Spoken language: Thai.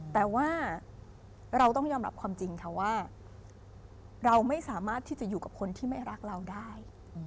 แต่ว่าเราต้องยอมรับความจริงค่ะว่าเราไม่สามารถที่จะอยู่กับคนที่ไม่รักเราได้